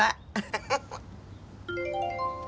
フフフフ。